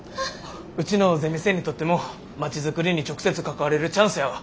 うちのゼミ生にとってもまちづくりに直接関われるチャンスやわ。